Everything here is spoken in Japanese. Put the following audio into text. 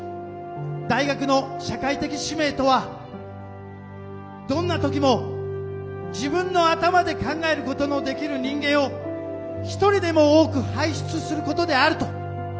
大学の社会的使命とはどんな時も自分の頭で考えることのできる人間を一人でも多く輩出することである」と。